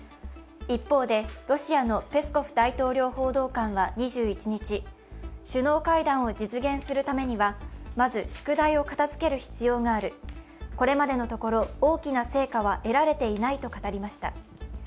一方でロシアのペスコフ大統領報道官は２１日、首脳会談を実現するためにはまず宿題を片付ける必要があるこれまでのところ、大きな成果は得られていないと語りました。